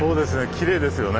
きれいですよね。